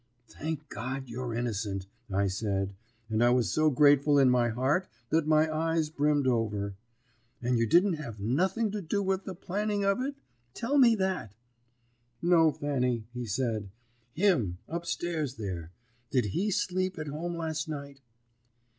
"'Thank God, you're innocent!' I said, and I was so grateful in my heart that my eyes brimmed over. 'And you didn't have nothing to do with the planning of it? Tell me that.' "'No, Fanny,' he said. 'Him up stairs there did he sleep at home last night?'